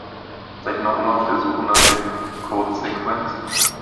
Seid ihr noch immer auf der Suche nach der Codesequenz?